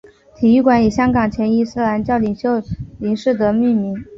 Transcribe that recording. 体育馆以香港前伊斯兰教领袖林士德命名。